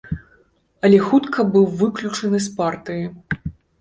Але хутка быў выключаны з партыі.